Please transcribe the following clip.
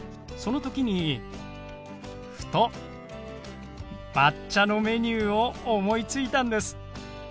その時にふと抹茶のメニューを思いついたんです。